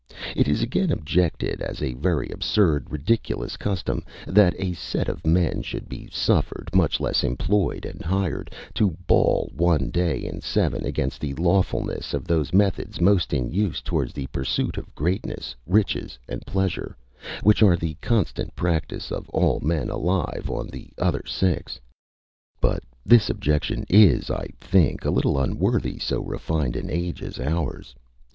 It is again objected, as a very absurd, ridiculous custom, that a set of men should be suffered, much less employed and hired, to bawl one day in seven against the lawfulness of those methods most in use towards the pursuit of greatness, riches, and pleasure, which are the constant practice of all men alive on the other six. But this objection is, I think, a little unworthy so refined an age as ours.